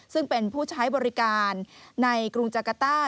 ซึ่งเป็นผู้ใช้บริการในกรุงจักรต้า